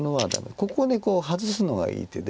ここにこうハズすのがいい手で。